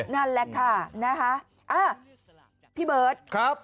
นั่นแหละค่ะพี่เบิร์ทครับ